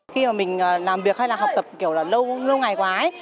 khi mà mình làm việc hay là học tập kiểu là lâu ngày quá ấy